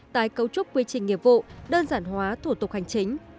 tái cấu trúc quy trình nghiệp vụ đơn giản hóa thủ tục hành chính